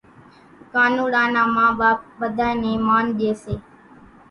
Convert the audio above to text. ڪانوڙا نان ما ٻاپ ٻڌانئين نين مانَ ڄي سي